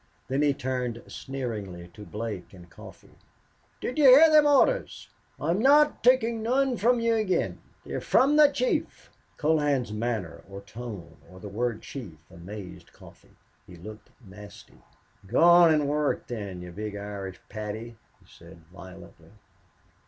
Then he turned sneeringly to Blake and Coffee. "Did you hear them orders? I'm not takin' none from you again. They're from the chief." Colohan's manner or tone or the word chief amazed Coffee. He looked nasty. "Go on and work, then, you big Irish Paddy," he said, violently.